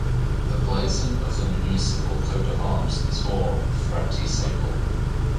The blazon of the municipal coat of arms is Or, fretty Sable.